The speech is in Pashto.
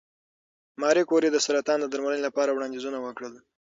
ماري کوري د سرطان د درملنې لپاره وړاندیزونه وکړل.